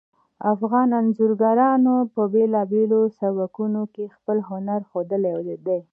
افغان انځورګرانو په بیلابیلو سبکونو کې خپل هنر ښودلی ده